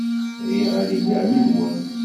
Riɣ ad iliɣ yid-wen.